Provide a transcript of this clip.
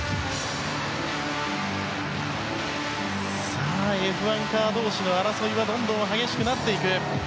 さあ、Ｆ１カー同士の争いはどんどん激しくなっていく。